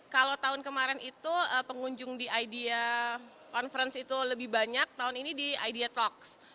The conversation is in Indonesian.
kalau tahun kemarin itu pengunjung di idea conference itu lebih banyak tahun ini di idea talks